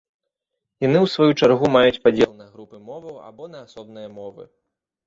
Яны ў сваю чаргу маюць падзел на групы моваў або на асобныя мовы.